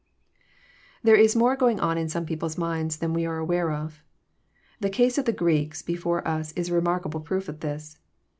There is more going on in some people's minds than we are aware of. The case of the Greeks before us is a re markable proof of this.